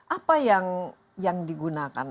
apa yang digunakan